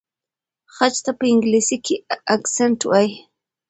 خج ته په انګلیسۍ کې اکسنټ وایي.